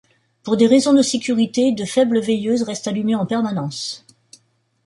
Pour des raisons de sécurité, de faibles veilleuses restent allumées en permanence.